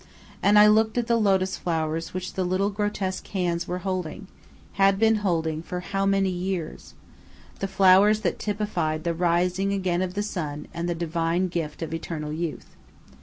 And I looked at the lotus flowers which the little grotesque hands were holding, had been holding for how many years the flowers that typified the rising again of the sun and the divine gift of eternal youth.